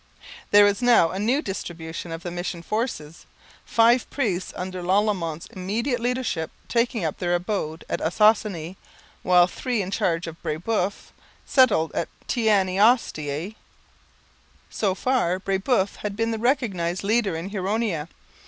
There was now a new distribution of the mission forces, five priests under Lalemant's immediate leadership taking up their abode at Ossossane, while three in charge of Brebeuf settled at Teanaostaiae. So far Brebeuf had been the recognized leader in Huronia.